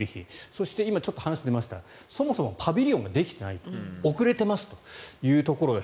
そして今、話が出ましたそもそもパビリオンができてない遅れていますというところが。